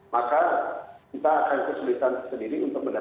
maka kita akan kesulitan sendiri untuk menerbakan layanan kecantikan umum